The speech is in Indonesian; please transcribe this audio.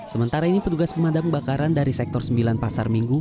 sementara ini petugas pemadam kebakaran dari sektor sembilan pasar minggu